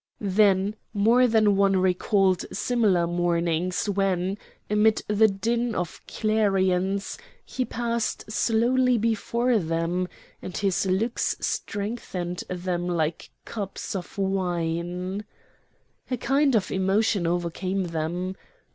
Then more than one recalled similar mornings when, amid the din of clarions, he passed slowly before them, and his looks strengthened them like cups of wine. A kind of emotion overcame them.